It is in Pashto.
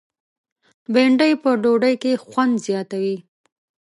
بېنډۍ په ډوډۍ کې خوند زیاتوي